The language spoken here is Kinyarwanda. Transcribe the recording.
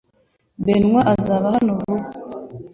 Benwa azaba hano vuba .